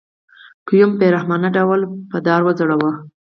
ګیوم یې په بې رحمانه ډول په دار وځړاوه.